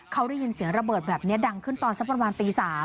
เขาได้ยินเสียงระเบิดแบบนี้ดังขึ้นตอนสักประมาณตี๓